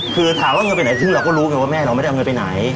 คือถามว่าเงินไปไหนซึ่งเราก็รู้ไงว่าแม่เราไม่ได้เอาเงินไปไหน